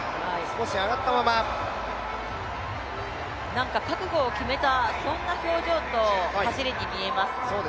なんか覚悟を決めた、そんな表情と走りに見えます。